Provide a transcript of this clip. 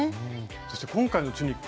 そして今回のチュニック。